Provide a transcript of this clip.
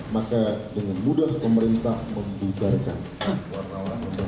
maka dengan mudah pemerintah membuarkan